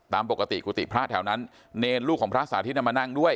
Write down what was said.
ตามปกติกุฏิพระแถวนั้นเนรลูกของพระสาธิตมานั่งด้วย